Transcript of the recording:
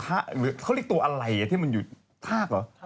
หรือเขาเรียกตัวอะไรที่มันอยู่ทากเหรอ